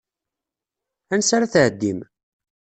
Ansa ara tɛeddim?